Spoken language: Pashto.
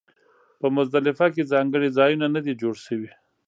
په مزدلفه کې ځانګړي ځایونه نه دي جوړ شوي.